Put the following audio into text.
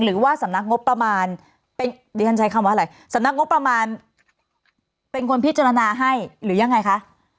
หรือว่าสำนักงบประมาณเป็นดิฉันใช้คำว่าอะไรสำนักงบประมาณเป็นคนพิจารณาให้หรือยังไงคะ